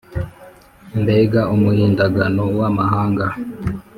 Mbega umuhindagano w’amahanga